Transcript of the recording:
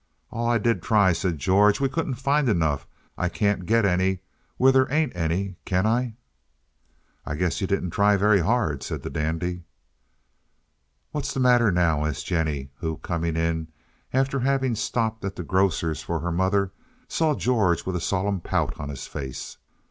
"Aw, I did try," said George. "We couldn't find enough. I can't get any when there ain't any, can I?" "I guess you didn't try very hard," said the dandy. "What's the matter now?" asked Jennie, who, coming in after having stopped at the grocer's for her mother, saw George with a solemn pout on his face.